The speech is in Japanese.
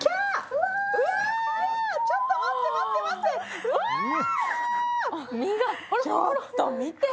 うわ、ちょっと待って、待って！